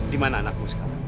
di mana anakmu sekarang